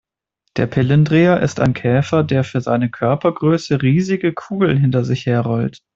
Der Pillendreher ist ein Käfer, der für seine Körpergröße riesige Kugeln hinter sich her rollt.